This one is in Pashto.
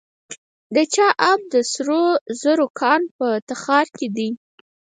د چاه اب د سرو زرو کان په تخار کې دی